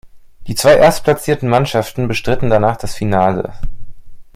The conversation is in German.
Die zwei erstplatzierten Mannschaften bestritten danach das Finale.